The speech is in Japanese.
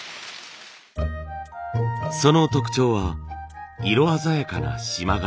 その特徴は色鮮やかな縞柄。